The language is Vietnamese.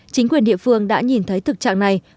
chính quyền địa phương đã nhìn thấy thực trạng này